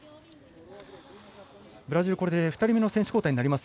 ブラジル、これで２人目の選手交代になります。